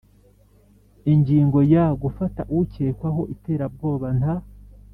Ingingo ya gufata ukekwaho iterabwoba nta